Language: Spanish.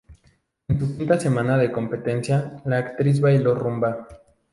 En su quinta semana de competencia, la actriz bailó rumba.